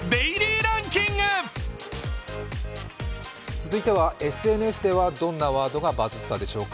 続いてはＳＮＳではどんなワードがバズったでしょうか。